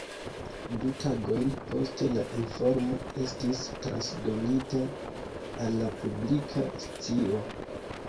Du tagojn poste la informo estis transdonita al la publika scio.